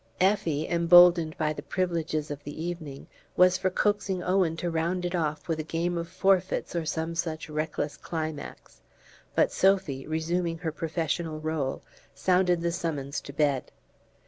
Effie, emboldened by the privileges of the evening, was for coaxing Owen to round it off with a game of forfeits or some such reckless climax; but Sophy, resuming her professional role, sounded the summons to bed.